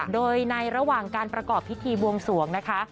โดยในระหว่างการประกอบพิธีบวงสวงนะคะ